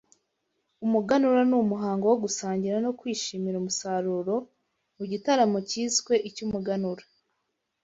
Umuganura n’ umuhango wo gusangira no kwishimira umusaruro mu gitaramo kiswe icy’umuganura